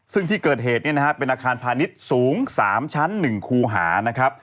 ซึ่งที่เกิดเหตุเป็นอาคารพาณิชย์สูง๓ชั้น๑คูหา